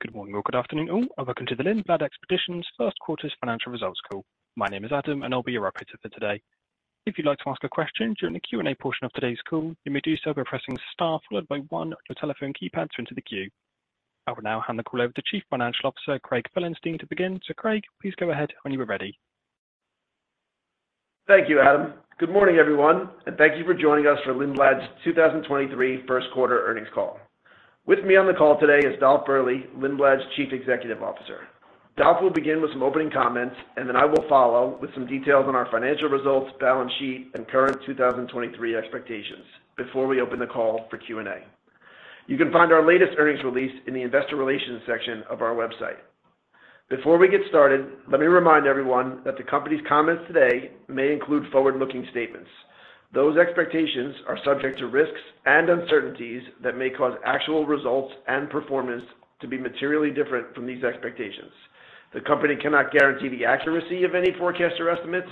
Good morning or good afternoon all, and welcome to the Lindblad Expeditions first quarter's financial results call. My name is Adam, and I'll be your operator for today. If you'd like to ask a question during the Q&A portion of today's call, you may do so by pressing star followed by one on your telephone keypad to enter the queue. I will now hand the call over to Chief Financial Officer Craig Felenstein, to begin. Craig, please go ahead when you are ready. Thank you, Adam. Good morning, everyone, and thank you for joining us for Lindblad's 2023 first quarter earnings call. With me on the call today is Dolf Berle, Lindblad's Chief Executive Officer. Dolf will begin with some opening comments, and then I will follow with some details on our financial results, balance sheet, and current 2023 expectations before we open the call for Q&A. You can find our latest earnings release in the investor relations section of our website. Before we get started, let me remind everyone that the company's comments today may include forward-looking statements. Those expectations are subject to risks and uncertainties that may cause actual results and performance to be materially different from these expectations. The company cannot guarantee the accuracy of any forecast or estimates,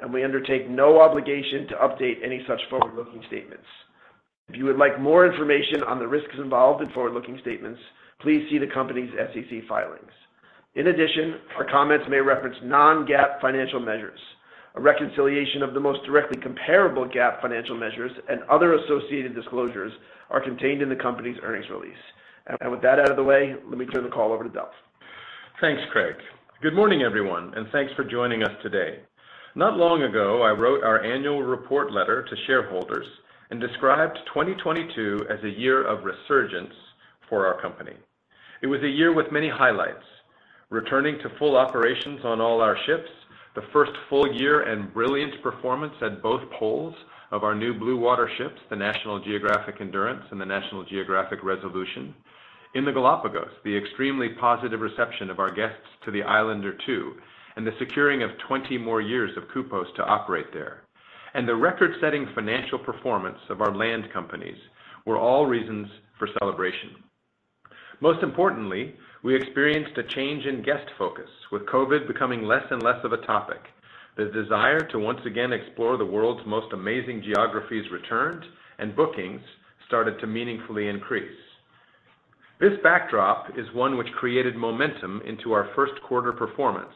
and we undertake no obligation to update any such forward-looking statements. If you would like more information on the risks involved in forward-looking statements, please see the company's SEC filings. In addition, our comments may reference non-GAAP financial measures. A reconciliation of the most directly comparable GAAP financial measures and other associated disclosures are contained in the company's earnings release. With that out of the way, let me turn the call over to Dolf. Thanks, Craig. Good morning, everyone, and thanks for joining us today. Not long ago, I wrote our annual report letter to shareholders and described 2022 as a year of resurgence for our company. It was a year with many highlights, returning to full operations on all our ships, the first full year and brilliant performance at both poles of our new blue water ships, the National Geographic Endurance and the National Geographic Resolution. In the Galápagos, the extremely positive reception of our guests to the Islander II, and the securing of 20 more years of CUPOS to operate there. The record-setting financial performance of our land companies were all reasons for celebration. Most importantly, we experienced a change in guest focus. With COVID becoming less and less of a topic, the desire to once again explore the world's most amazing geographies returned and bookings started to meaningfully increase. This backdrop is one which created momentum into our first quarter performance,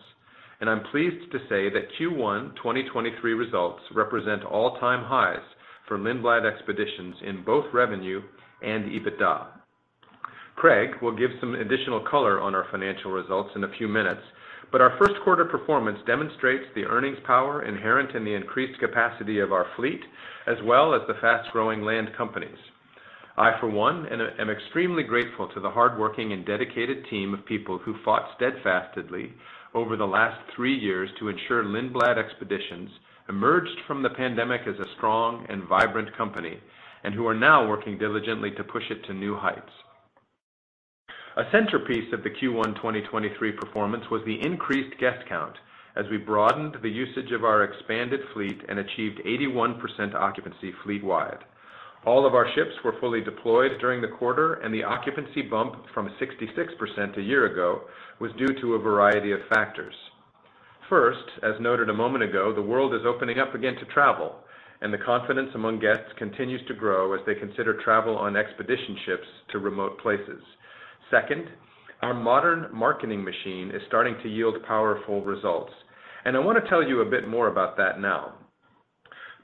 and I'm pleased to say that Q1 2023 results represent all-time highs for Lindblad Expeditions in both revenue and EBITDA. Craig will give some additional color on our financial results in a few minutes, but our first quarter performance demonstrates the earnings power inherent in the increased capacity of our fleet, as well as the fast-growing land companies. I, for one, am extremely grateful to the hardworking and dedicated team of people who fought steadfastly over the last three years to ensure Lindblad Expeditions emerged from the pandemic as a strong and vibrant company, and who are now working diligently to push it to new heights. A centerpiece of the Q1 2023 performance was the increased guest count as we broadened the usage of our expanded fleet and achieved 81% occupancy fleet-wide. All of our ships were fully deployed during the quarter. The occupancy bump from 66% a year ago was due to a variety of factors. First, as noted a moment ago, the world is opening up again to travel, and the confidence among guests continues to grow as they consider travel on expedition ships to remote places. Second, our modern marketing machine is starting to yield powerful results. I wanna tell you a bit more about that now.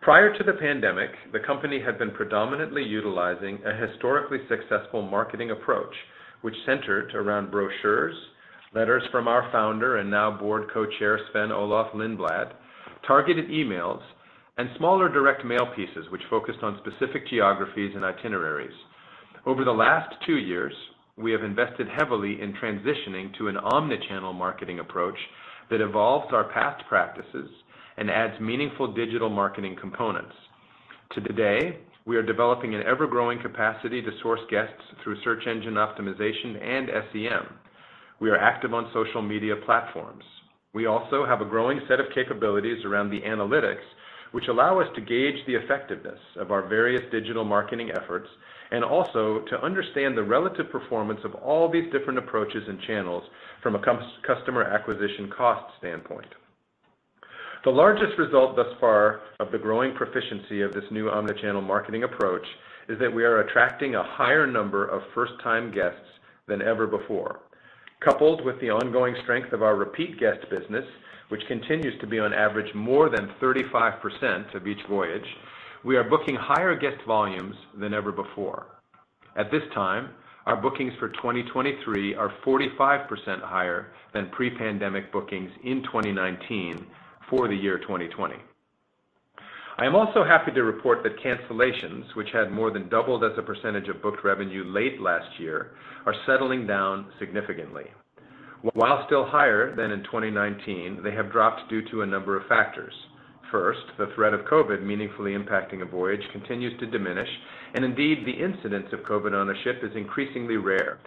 Prior to the pandemic, the company had been predominantly utilizing a historically successful marketing approach, which centered around brochures, letters from our founder and now board co-chair, Sven-Olof Lindblad, targeted emails, and smaller direct mail pieces which focused on specific geographies and itineraries. Over the last two years, we have invested heavily in transitioning to an omni-channel marketing approach that evolves our past practices and adds meaningful digital marketing components. Today, we are developing an ever-growing capacity to source guests through search engine optimization and SEM. We are active on social media platforms. We also have a growing set of capabilities around the analytics, which allow us to gauge the effectiveness of our various digital marketing efforts, and also to understand the relative performance of all these different approaches and channels from a customer acquisition cost standpoint. The largest result thus far of the growing proficiency of this new omni-channel marketing approach is that we are attracting a higher number of first-time guests than ever before. Coupled with the ongoing strength of our repeat guest business, which continues to be on average more than 35% of each voyage, we are booking higher guest volumes than ever before. At this time, our bookings for 2023 are 45% higher than pre-pandemic bookings in 2019 for the year 2020. I am also happy to report that cancellations, which had more than doubled as a percentage of booked revenue late last year, are settling down significantly. While still higher than in 2019, they have dropped due to a number of factors. First, the threat of COVID meaningfully impacting a voyage continues to diminish, and indeed, the incidence of COVID ownership is increasingly rare.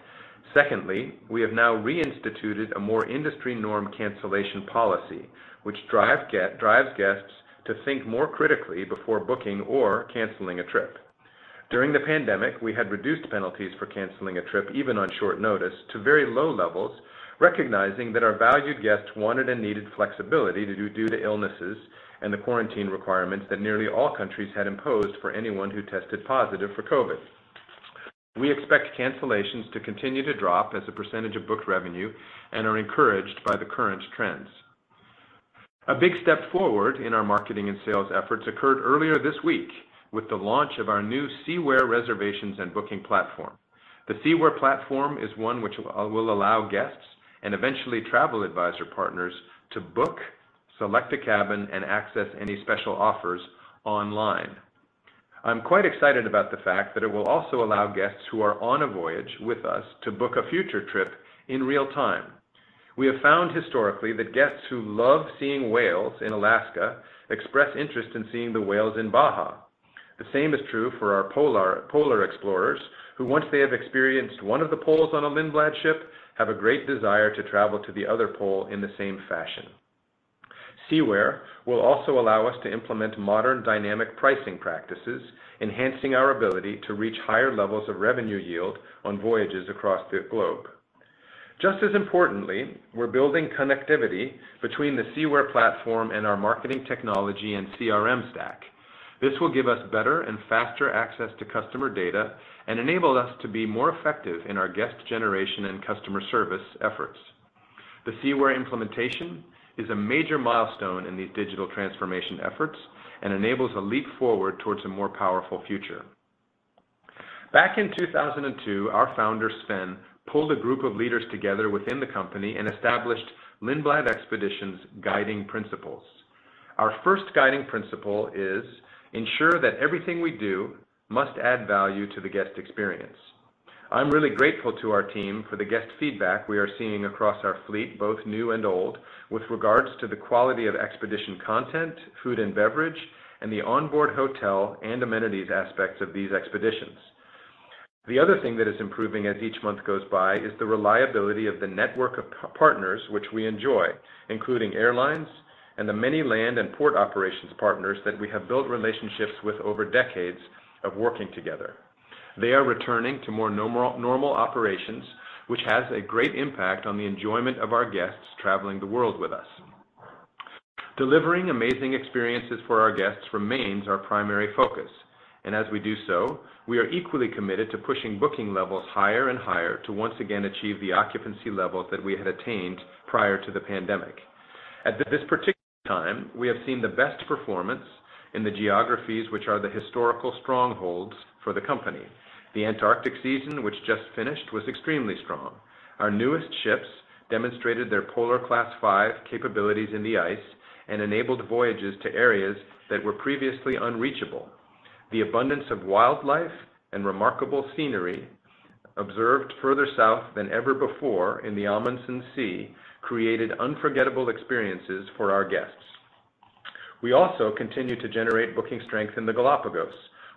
Secondly, we have now reinstituted a more industry norm cancellation policy, which drives guests to think more critically before booking or canceling a trip. During the pandemic, we had reduced penalties for canceling a trip, even on short notice, to very low levels. Recognizing that our valued guests wanted and needed flexibility due to illnesses and the quarantine requirements that nearly all countries had imposed for anyone who tested positive for COVID. We expect cancellations to continue to drop as a % of booked revenue and are encouraged by the current trends. A big step forward in our marketing and sales efforts occurred earlier this week with the launch of our new Seaware reservations and booking platform. The Seaware platform is one which will allow guests and eventually travel advisor partners to book, select a cabin, and access any special offers online. I'm quite excited about the fact that it will also allow guests who are on a voyage with us to book a future trip in real time. We have found historically that guests who love seeing whales in Alaska express interest in seeing the whales in Baja. The same is true for our polar explorers, who once they have experienced one of the poles on a Lindblad ship, have a great desire to travel to the other pole in the same fashion. Seaware will also allow us to implement modern dynamic pricing practices, enhancing our ability to reach higher levels of revenue yield on voyages across the globe. Just as importantly, we're building connectivity between the Seaware platform and our marketing technology and CRM stack. This will give us better and faster access to customer data and enable us to be more effective in our guest generation and customer service efforts. The Seaware implementation is a major milestone in these digital transformation efforts and enables a leap forward towards a more powerful future. Back in 2002, our founder, Sven, pulled a group of leaders together within the company and established Lindblad Expeditions Guiding Principles. Our first guiding principle is ensure that everything we do must add value to the guest experience. I'm really grateful to our team for the guest feedback we are seeing across our fleet, both new and old, with regards to the quality of expedition content, food and beverage, and the onboard hotel and amenities aspects of these expeditions. The other thing that is improving as each month goes by is the reliability of the network of partners which we enjoy, including airlines and the many land and port operations partners that we have built relationships with over decades of working together. They are returning to more normal operations, which has a great impact on the enjoyment of our guests traveling the world with us. Delivering amazing experiences for our guests remains our primary focus. As we do so, we are equally committed to pushing booking levels higher and higher to once again achieve the occupancy levels that we had attained prior to the pandemic. At this particular time, we have seen the best performance in the geographies which are the historical strongholds for the company. The Antarctic season, which just finished, was extremely strong. Our newest ships demonstrated their Polar Class 5 capabilities in the ice and enabled voyages to areas that were previously unreachable. The abundance of wildlife and remarkable scenery observed further south than ever before in the Amundsen Sea created unforgettable experiences for our guests. We also continue to generate booking strength in the Galápagos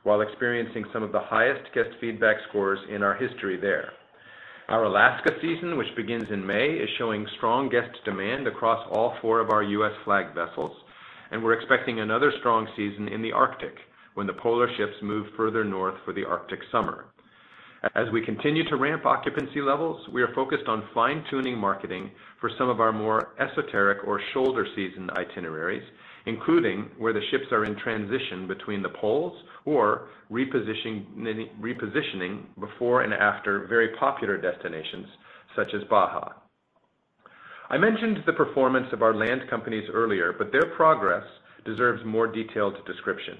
while experiencing some of the highest guest feedback scores in our history there. Our Alaska season, which begins in May, is showing strong guest demand across all four of our U.S. flagged vessels. We're expecting another strong season in the Arctic when the polar ships move further north for the Arctic summer. As we continue to ramp occupancy levels, we are focused on fine-tuning marketing for some of our more esoteric or shoulder season itineraries, including where the ships are in transition between the poles or repositioning before and after very popular destinations such as Baja. I mentioned the performance of our land companies earlier, but their progress deserves more detailed description.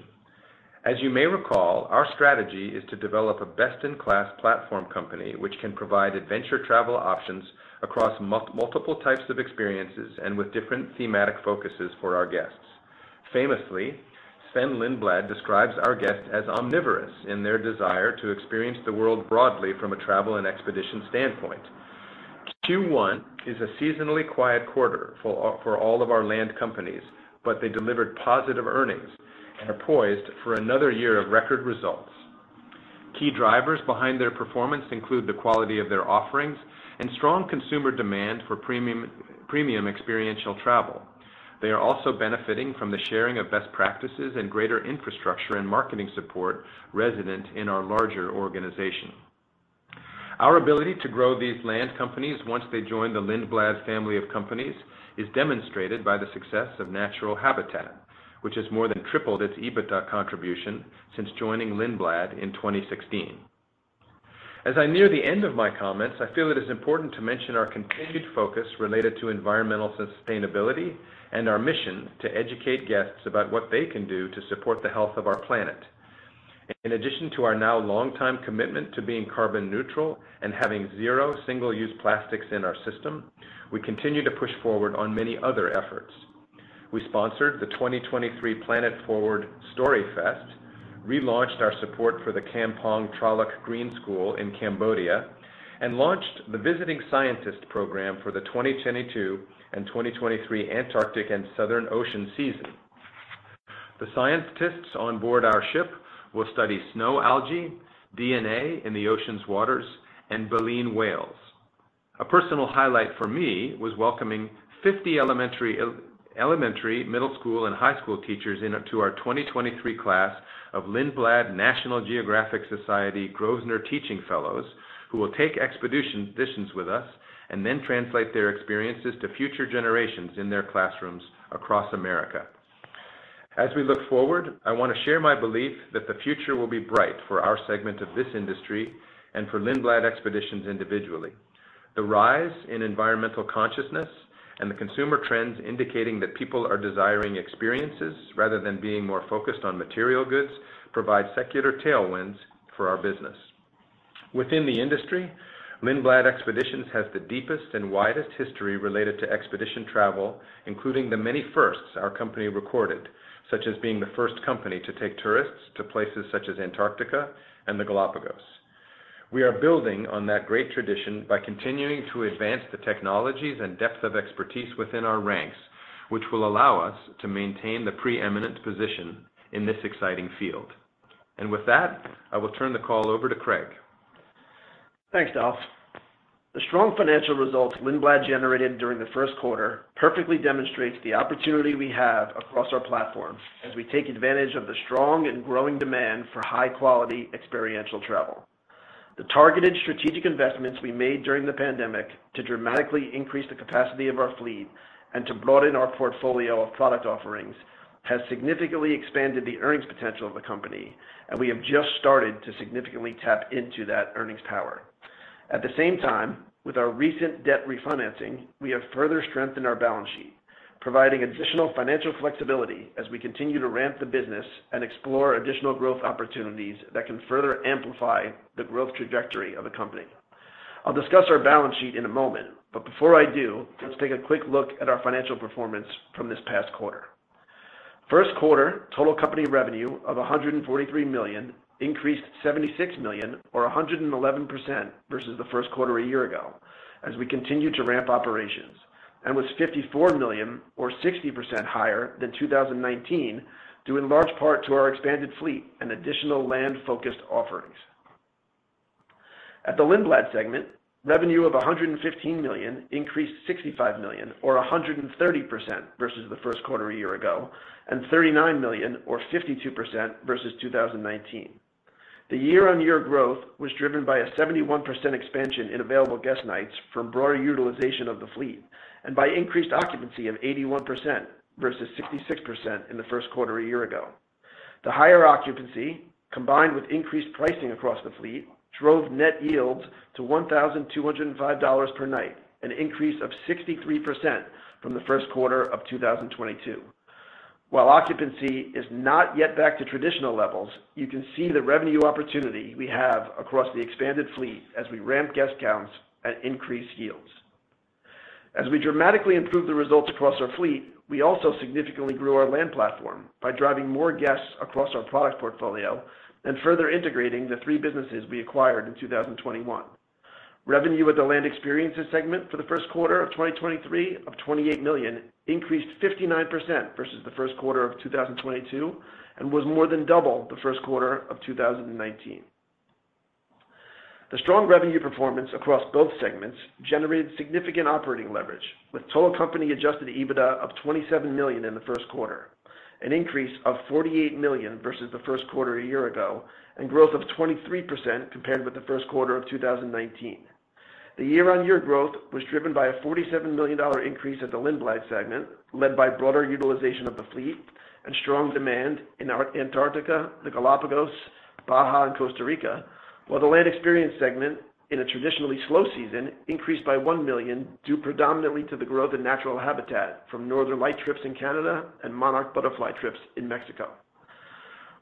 As you may recall, our strategy is to develop a best-in-class platform company which can provide adventure travel options across multiple types of experiences and with different thematic focuses for our guests. Famously, Sven Lindblad describes our guests as omnivorous in their desire to experience the world broadly from a travel and expedition standpoint. Q1 is a seasonally quiet quarter for all of our land companies. They delivered positive earnings and are poised for another year of record results. Key drivers behind their performance include the quality of their offerings and strong consumer demand for premium experiential travel. They are also benefiting from the sharing of best practices and greater infrastructure and marketing support resident in our larger organization. Our ability to grow these land companies once they join the Lindblad family of companies is demonstrated by the success of Natural Habitat, which has more than tripled its EBITDA contribution since joining Lindblad in 2016. As I near the end of my comments, I feel it is important to mention our continued focus related to environmental sustainability and our mission to educate guests about what they can do to support the health of our planet. In addition to our now longtime commitment to being carbon neutral and having zero single-use plastics in our system, we continue to push forward on many other efforts. We sponsored the 2023 Planet Forward Storyfest, relaunched our support for the Kampong Tralach Green School in Cambodia, and launched the Visiting Scientist Program for the 2022 and 2023 Antarctic and Southern Ocean season. The scientists on board our ship will study snow algae, DNA in the ocean's waters, and baleen whales. A personal highlight for me was welcoming 50 elementary, middle school, and high school teachers to our 2023 class of Lindblad National Geographic Society Grosvenor Teacher Fellows, who will take expeditions with us and then translate their experiences to future generations in their classrooms across America. We look forward, I wanna share my belief that the future will be bright for our segment of this industry and for Lindblad Expeditions individually. The rise in environmental consciousness and the consumer trends indicating that people are desiring experiences rather than being more focused on material goods provide secular tailwinds for our business. Within the industry, Lindblad Expeditions has the deepest and widest history related to expedition travel, including the many firsts our company recorded, such as being the first company to take tourists to places such as Antarctica and the Galápagos. We are building on that great tradition by continuing to advance the technologies and depth of expertise within our ranks, which will allow us to maintain the preeminent position in this exciting field. With that, I will turn the call over to Craig. Thanks, Dolf. The strong financial results Lindblad generated during the first quarter perfectly demonstrates the opportunity we have across our platform as we take advantage of the strong and growing demand for high-quality experiential travel. The targeted strategic investments we made during the pandemic to dramatically increase the capacity of our fleet and to broaden our portfolio of product offerings has significantly expanded the earnings potential of the company. We have just started to significantly tap into that earnings power. At the same time, with our recent debt refinancing, we have further strengthened our balance sheet, providing additional financial flexibility as we continue to ramp the business and explore additional growth opportunities that can further amplify the growth trajectory of the company. I'll discuss our balance sheet in a moment, but before I do, let's take a quick look at our financial performance from this past quarter. First quarter total company revenue of $143 million increased $76 million or 111% versus the first quarter a year ago, as we continue to ramp operations, and was $54 million or 60% higher than 2019, due in large part to our expanded fleet and additional land-focused offerings. At the Lindblad segment, revenue of $115 million increased $65 million or 130% versus the first quarter a year ago, and $39 million or 52% versus 2019. The year-on-year growth was driven by a 71% expansion in available guest nights from broader utilization of the fleet and by increased occupancy of 81% versus 66% in the first quarter a year ago. The higher occupancy, combined with increased pricing across the fleet, drove net yield to $1,205 per night, an increase of 63% from the first quarter of 2022. While occupancy is not yet back to traditional levels, you can see the revenue opportunity we have across the expanded fleet as we ramp guest counts and increase yields. As we dramatically improve the results across our fleet, we also significantly grew our land platform by driving more guests across our product portfolio and further integrating the three businesses we acquired in 2021. Revenue at the Land Experiences segment for the first quarter of 2023 of $28 million increased 59% versus the first quarter of 2022 and was more than double the first quarter of 2019. The strong revenue performance across both segments generated significant operating leverage, with total company Adjusted EBITDA of $27 million in the first quarter, an increase of $48 million versus the first quarter a year ago, and growth of 23% compared with the first quarter of 2019. The year-on-year growth was driven by a $47 million increase at the Lindblad segment, led by broader utilization of the fleet and strong demand in our Antarctica, the Galápagos, Baja, and Costa Rica. While the Land Experiences segment, in a traditionally slow season, increased by $1 million due predominantly to the growth in Natural Habitat Adventures from northern light trips in Canada and monarch butterfly trips in Mexico.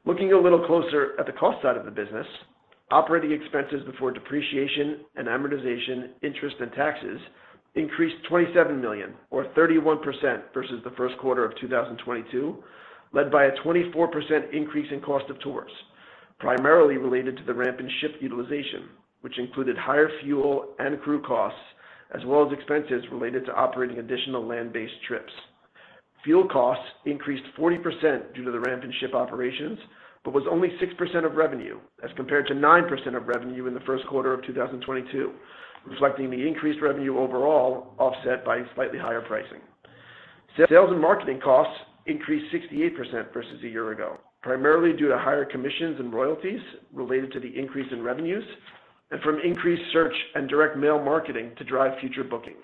Looking a little closer at the cost side of the business, operating expenses before depreciation and amortization, interest, and taxes increased $27 million or 31% versus the first quarter of 2022, led by a 24% increase in cost of tours, primarily related to the ramp in ship utilization, which included higher fuel and crew costs, as well as expenses related to operating additional land-based trips. Fuel costs increased 40% due to the ramp in ship operations, was only 6% of revenue as compared to 9% of revenue in the first quarter of 2022, reflecting the increased revenue overall offset by slightly higher pricing. Sales and marketing costs increased 68% versus a year ago, primarily due to higher commissions and royalties related to the increase in revenues and from increased search and direct mail marketing to drive future bookings.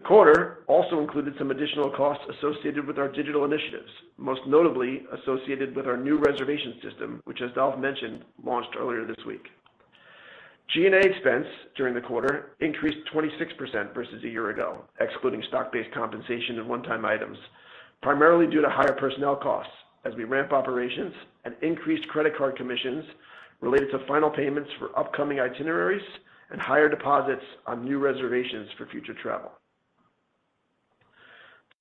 The quarter also included some additional costs associated with our digital initiatives, most notably associated with our new reservation system, which, as Dolf mentioned, launched earlier this week. G&A expense during the quarter increased 26% versus a year ago, excluding stock-based compensation and one-time items, primarily due to higher personnel costs as we ramp operations and increased credit card commissions related to final payments for upcoming itineraries and higher deposits on new reservations for future travel.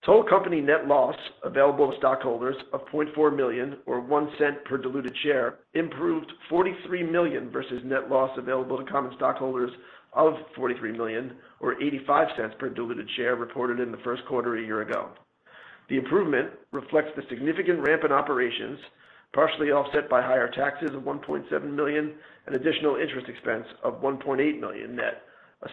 Total company net loss available to stockholders of $0.4 million or $0.01 per diluted share improved $43 million versus net loss available to common stockholders of $43 million or $0.85 per diluted share reported in the first quarter a year ago. The improvement reflects the significant ramp in operations, partially offset by higher taxes of $1.7 million and additional interest expense of $1.8 million net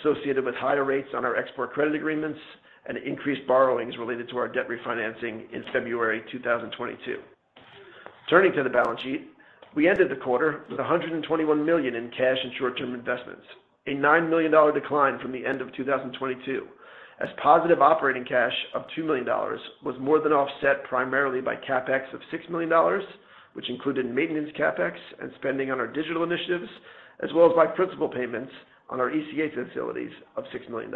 associated with higher rates on our export credit agreements and increased borrowings related to our debt refinancing in February 2022. Turning to the balance sheet, we ended the quarter with $121 million in cash and short-term investments, a $9 million decline from the end of 2022 as positive operating cash of $2 million was more than offset primarily by CapEx of $6 million, which included maintenance CapEx and spending on our digital initiatives, as well as by principal payments on our ECA facilities of $6 million.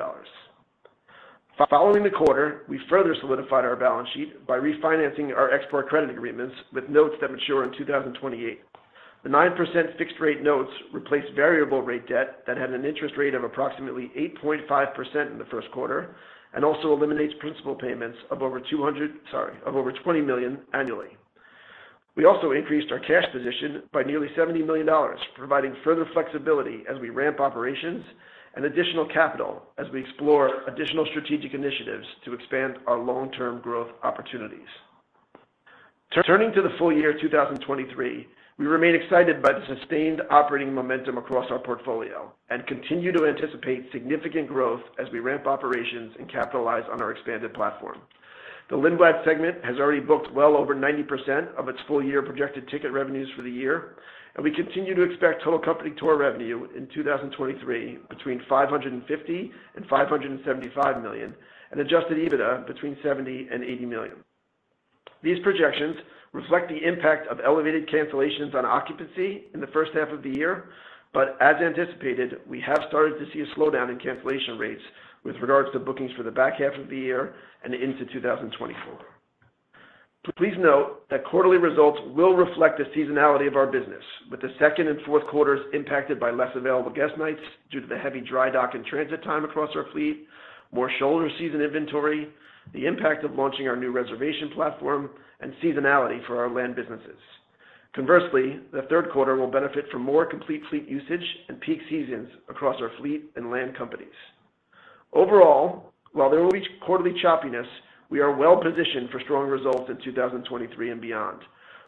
Following the quarter, we further solidified our balance sheet by refinancing our export credit agreements with notes that mature in 2028. The 9% fixed rate notes replace variable rate debt that had an interest rate of approximately 8.5% in the first quarter, and also eliminates principal payments of over $20 million annually. We also increased our cash position by nearly $70 million, providing further flexibility as we ramp operations and additional capital as we explore additional strategic initiatives to expand our long-term growth opportunities. Turning to the full year 2023, we remain excited by the sustained operating momentum across our portfolio and continue to anticipate significant growth as we ramp operations and capitalize on our expanded platform. The Lindblad segment has already booked well over 90% of its full-year projected ticket revenues for the year. We continue to expect total company tour revenue in 2023 between $550 million and $575 million and Adjusted EBITDA between $70 million and $80 million. These projections reflect the impact of elevated cancellations on occupancy in the first half of the year. As anticipated, we have started to see a slowdown in cancellation rates with regards to bookings for the back half of the year and into 2024. Please note that quarterly results will reflect the seasonality of our business, with the second and fourth quarters impacted by less available guest nights due to the heavy dry dock and transit time across our fleet, more shoulder season inventory, the impact of launching our new reservation platform, and seasonality for our land businesses. Conversely, the third quarter will benefit from more complete fleet usage and peak seasons across our fleet and land companies. Overall, while there will be quarterly choppiness, we are well positioned for strong results in 2023 and beyond.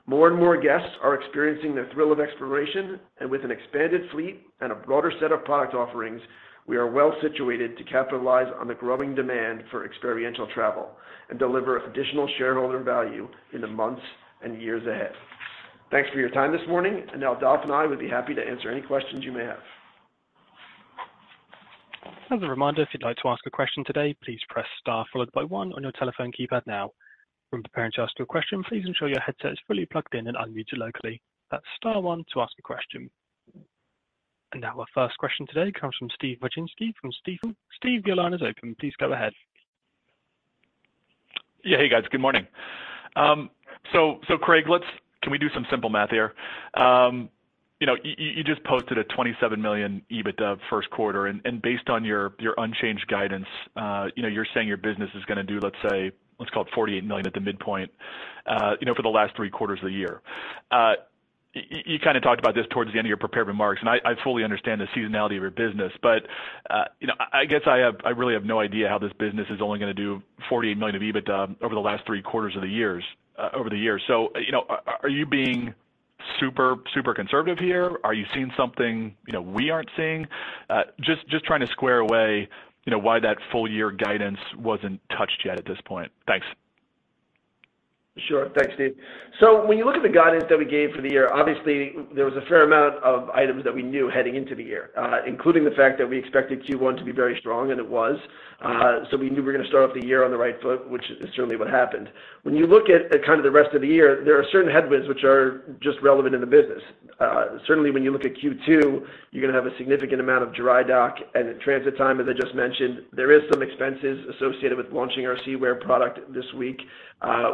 More and more guests are experiencing the thrill of exploration, and with an expanded fleet and a broader set of product offerings, we are well situated to capitalize on the growing demand for experiential travel and deliver additional shareholder value in the months and years ahead. Thanks for your time this morning, and now Dolf and I would be happy to answer any questions you may have. As a reminder, if you'd like to ask a question today, please press star followed by one on your telephone keypad now. When preparing to ask your question, please ensure your headset is fully plugged in and unmuted locally. That's star one to ask a question. Now our first question today comes from Steve Wieczynski from Stifel. Steve, your line is open. Please go ahead. Yeah. Hey, guys. Good morning. Craig, let's... Can we do some simple math here? You know, you just posted a $27 million EBITDA first quarter and based on your unchanged guidance, you know, you're saying your business is gonna do, let's say, let's call it $48 million at the midpoint, you know, for the last three quarters of the year. You kinda talked about this towards the end of your prepared remarks, and I fully understand the seasonality of your business, but, you know, I guess I have, I really have no idea how this business is only gonna do $48 million of EBITDA over the last three quarters of the years, over the years. You know, Are you being super conservative here? Are you seeing something, you know, we aren't seeing? Just trying to square away, you know, why that full year guidance wasn't touched yet at this point. Thanks. Sure. Thanks, Steve. When you look at the guidance that we gave for the year, obviously there was a fair amount of items that we knew heading into the year, including the fact that we expected Q1 to be very strong, and it was. We knew we were gonna start off the year on the right foot, which is certainly what happened. When you look at kind of the rest of the year, there are certain headwinds which are just relevant in the business. Certainly when you look at Q2, you're gonna have a significant amount of dry dock and transit time, as I just mentioned. There is some expenses associated with launching our Seaware product this week,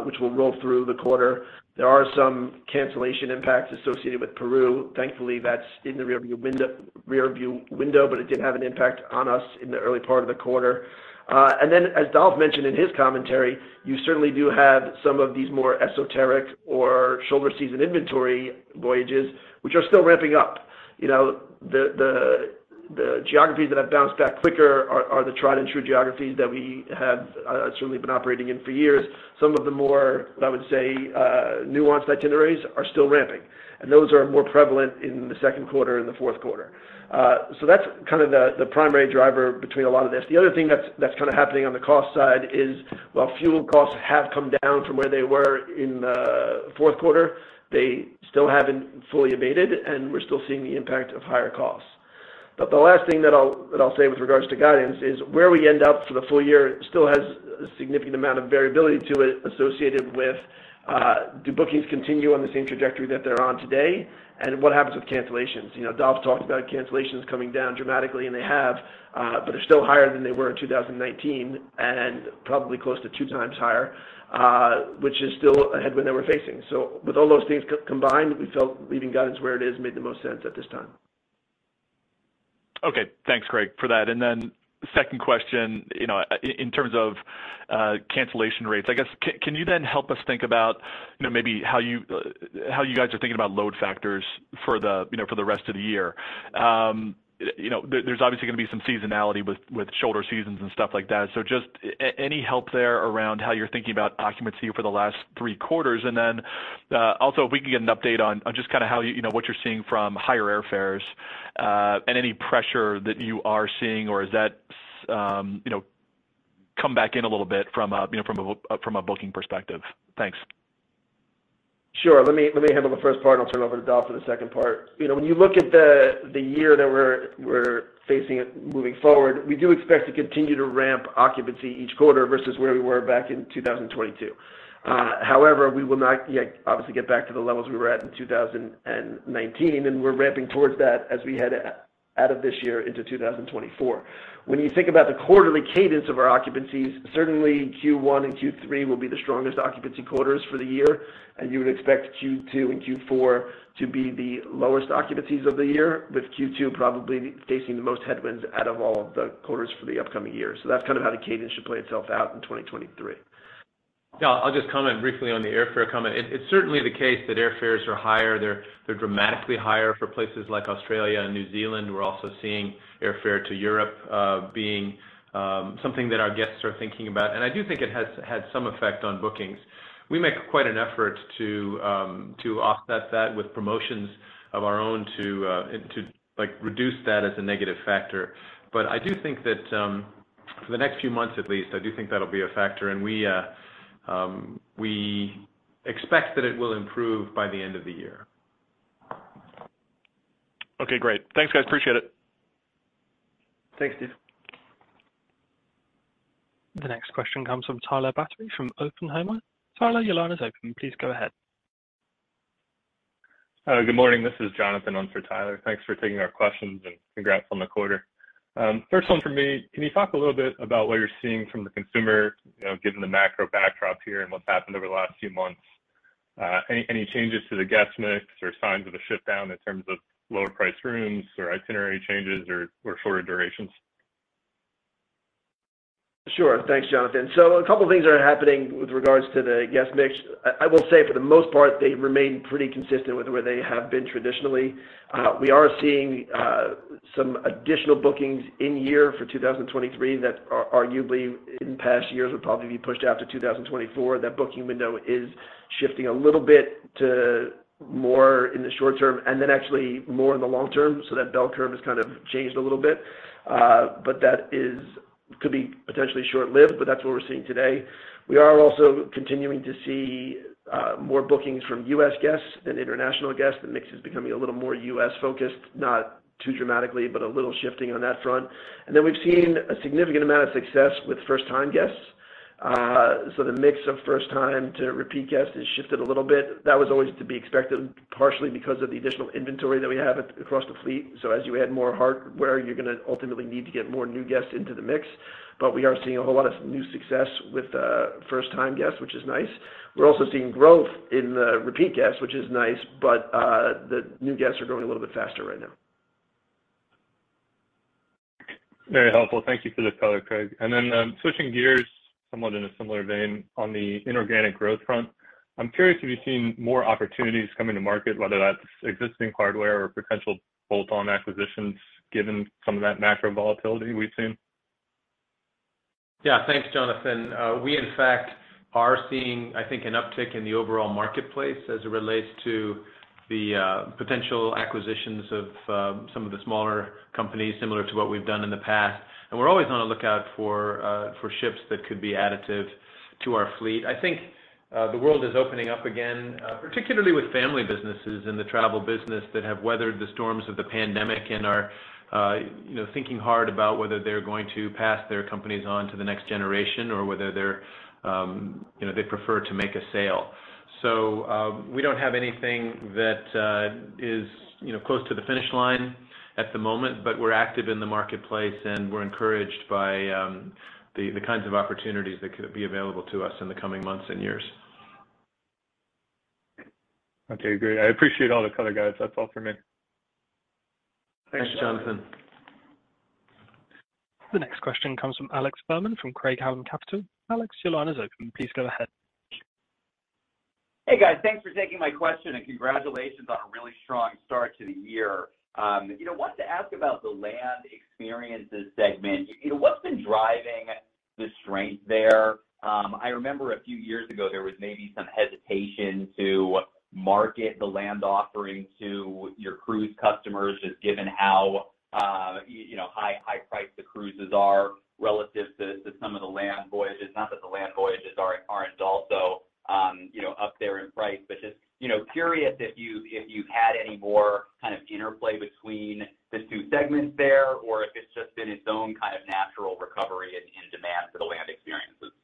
which will roll through the quarter. There are some cancellation impacts associated with Peru. Thankfully, that's in the rearview window, but it did have an impact on us in the early part of the quarter. As Dolf mentioned in his commentary, you certainly do have some of these more esoteric or shoulder season inventory voyages, which are still ramping up. You know, the, the geographies that have bounced back quicker are the tried and true geographies that we have certainly been operating in for years. Some of the more, I would say, nuanced itineraries are still ramping, and those are more prevalent in the second quarter and the fourth quarter. That's kind of the primary driver between a lot of this. The other thing that's kind of happening on the cost side is while fuel costs have come down from where they were in fourth quarter, they still haven't fully abated, and we're still seeing the impact of higher costs. The last thing that I'll say with regards to guidance is where we end up for the full year still has a significant amount of variability to it associated with, do bookings continue on the same trajectory that they're on today? What happens with cancellations? You know, Dolf talked about cancellations coming down dramatically, and they have, but they're still higher than they were in 2019 and probably close to 2x higher, which is still a headwind that we're facing. With all those things combined, we felt leaving guidance where it is made the most sense at this time. Okay. Thanks, Craig, for that. Second question, you know, in terms of cancellation rates. I guess, can you then help us think about, you know, maybe how you, how you guys are thinking about load factors for the, you know, for the rest of the year? You know, there's obviously gonna be some seasonality with shoulder seasons and stuff like that. So just any help there around how you're thinking about occupancy for the last three quarters. Also if we can get an update on just kinda how you know, what you're seeing from higher airfares, and any pressure that you are seeing or is that, you know, come back in a little bit from a, you know, from a booking perspective. Thanks. Sure. Let me handle the first part, and I'll turn it over to Dolf for the second part. You know, when you look at the year that we're facing it moving forward, we do expect to continue to ramp occupancy each quarter versus where we were back in 2022. However, we will not yet obviously get back to the levels we were at in 2019, and we're ramping towards that as we head out of this year into 2024. When you think about the quarterly cadence of our occupancies, certainly Q1 and Q3 will be the strongest occupancy quarters for the year, and you would expect Q2 and Q4 to be the lowest occupancies of the year, with Q2 probably facing the most headwinds out of all of the quarters for the upcoming year. That's kind of how the cadence should play itself out in 2023. Yeah. I'll just comment briefly on the airfare comment. It's certainly the case that airfares are higher. They're dramatically higher for places like Australia and New Zealand. We're also seeing airfare to Europe, being something that our guests are thinking about. I do think it has had some effect on bookings. We make quite an effort to offset that with promotions of our own to, like, reduce that as a negative factor. I do think that, for the next few months at least, I do think that'll be a factor. We expect that it will improve by the end of the year. Okay, great. Thanks, guys. Appreciate it. Thanks, Steve. The next question comes from Tyler Batory from Oppenheimer. Tyler, your line is open. Please go ahead. Good morning. This is Jonathan on for Tyler. Thanks for taking our questions, congrats on the quarter. First one from me. Can you talk a little bit about what you're seeing from the consumer, you know, given the macro backdrop here and what's happened over the last few months? Any changes to the guest mix or signs of a shift down in terms of lower priced rooms or itinerary changes or shorter durations? Sure. Thanks, Jonathan. A couple things are happening with regards to the guest mix. I will say for the most part, they remain pretty consistent with where they have been traditionally. We are seeing some additional bookings in year for 2023 that arguably in past years would probably be pushed out to 2024. That booking window is shifting a little bit to more in the short term and then actually more in the long term. That bell curve has kind of changed a little bit. That could be potentially short-lived, but that's what we're seeing today. We are also continuing to see more bookings from U.S. guests than international guests. The mix is becoming a little more U.S.-focused, not too dramatically, but a little shifting on that front. We've seen a significant amount of success with first-time guests. The mix of first time to repeat guests has shifted a little bit. That was always to be expected, partially because of the additional inventory that we have across the fleet. As you add more hardware, you're gonna ultimately need to get more new guests into the mix. We are seeing a whole lot of new success with first-time guests, which is nice. We're also seeing growth in the repeat guests, which is nice, but the new guests are growing a little bit faster right now. Very helpful. Thank you for the color, Craig. Switching gears somewhat in a similar vein on the inorganic growth front, I'm curious, have you seen more opportunities coming to market, whether that's existing hardware or potential bolt-on acquisitions, given some of that macro volatility we've seen? Thanks, Jonathan. We in fact are seeing, I think, an uptick in the overall marketplace as it relates to the potential acquisitions of some of the smaller companies, similar to what we've done in the past. We're always on the lookout for for ships that could be additive to our fleet. I think the world is opening up again, particularly with family businesses in the travel business that have weathered the storms of the pandemic and are, you know, thinking hard about whether they're going to pass their companies on to the next generation or whether they're, you know, they prefer to make a sale. We don't have anything that is, you know, close to the finish line at the moment, but we're active in the marketplace, and we're encouraged by the kinds of opportunities that could be available to us in the coming months and years. Okay, great. I appreciate all the color, guys. That's all for me. Thanks, Jonathan. The next question comes from Alex Fuhrman from Craig-Hallum Capital. Alex, your line is open. Please go ahead. Hey, guys. Thanks for taking my question. Congratulations on a really strong start to the year. You know, wanted to ask about the Land Experiences segment. You know, what's been driving the strength there? I remember a few years ago, there was maybe some hesitation to market the land offering to your cruise customers, just given how, you know, high priced the cruises are relative to some of the land voyages. Not that the land voyages aren't also, you know, up there in price, but just, you know, curious if you've had any more kind of interplay between the two segments there or if it's just been its own kind of natural recovery in demand for the land experiences.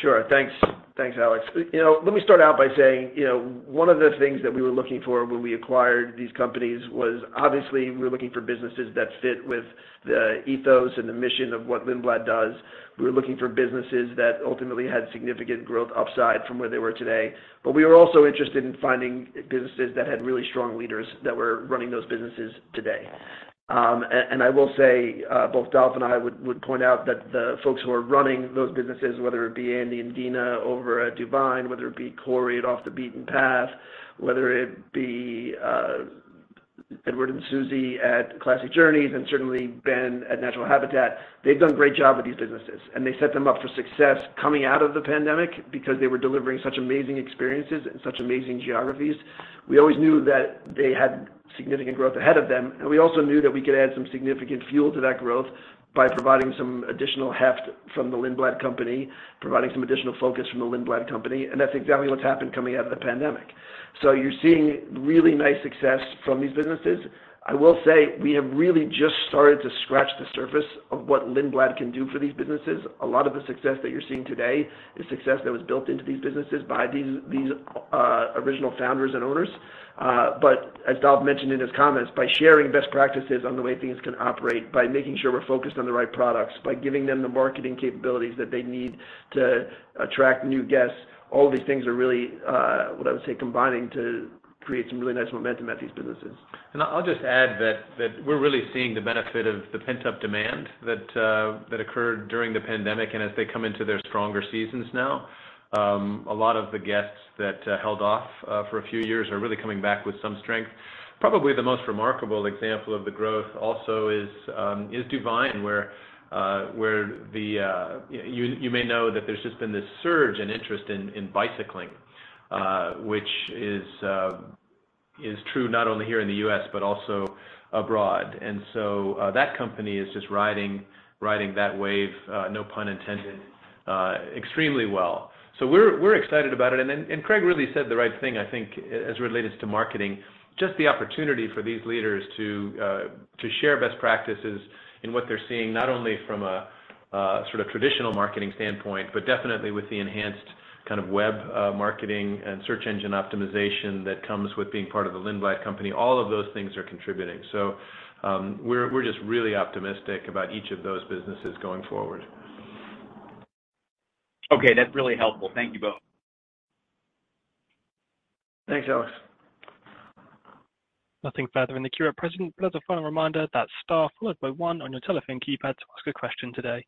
Sure. Thanks. Thanks, Alex. You know, let me start out by saying, you know, one of the things that we were looking for when we acquired these companies was, obviously, we were looking for businesses that fit with the ethos and the mission of what Lindblad does. We were looking for businesses that ultimately had significant growth upside from where they were today. We were also interested in finding businesses that had really strong leaders that were running those businesses today. I will say, both Dolf and I would point out that the folks who are running those businesses, whether it be Andy and Dina over at DuVine, whether it be Corey at Off the Beaten Path, whether it be Edward and Susie at Classic Journeys, and certainly Ben at Natural Habitat, they've done a great job with these businesses, and they set them up for success coming out of the pandemic because they were delivering such amazing experiences and such amazing geographies. We always knew that they had significant growth ahead of them, and we also knew that we could add some significant fuel to that growth by providing some additional heft from the Lindblad company, providing some additional focus from the Lindblad company. That's exactly what's happened coming out of the pandemic. You're seeing really nice success from these businesses. I will say we have really just started to scratch the surface of what Lindblad can do for these businesses. A lot of the success that you're seeing today is success that was built into these businesses by these original founders and owners. As Dolf mentioned in his comments, by sharing best practices on the way things can operate, by making sure we're focused on the right products, by giving them the marketing capabilities that they need to attract new guests, all these things are really, what I would say, combining to create some really nice momentum at these businesses. I'll just add that we're really seeing the benefit of the pent-up demand that occurred during the pandemic. As they come into their stronger seasons now, a lot of the guests that held off for a few years are really coming back with some strength. Probably the most remarkable example of the growth also is DuVine, where the, you may know that there's just been this surge in interest in bicycling, which is true not only here in the US, but also abroad. That company is just riding that wave, no pun intended, extremely well. We're excited about it. Craig really said the right thing, I think, as it relates to marketing, just the opportunity for these leaders to share best practices in what they're seeing, not only from a sort of traditional marketing standpoint, but definitely with the enhanced kind of web marketing and search engine optimization that comes with being part of the Lindblad company. All of those things are contributing. We're just really optimistic about each of those businesses going forward. Okay, that's really helpful. Thank you both. Thanks, Alex. Nothing further in the queue at present. As a final reminder, that star followed by one on your telephone keypad to ask a question today.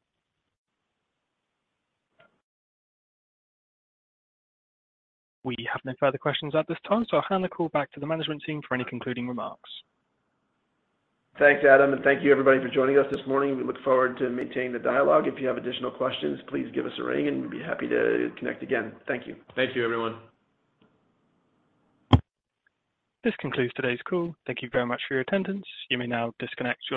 We have no further questions at this time. I'll hand the call back to the management team for any concluding remarks. Thanks, Adam, and thank you everybody for joining us this morning. We look forward to maintaining the dialogue. If you have additional questions, please give us a ring, and we'd be happy to connect again. Thank you. Thank you, everyone. This concludes today's call. Thank you very much for your attendance. You may now disconnect.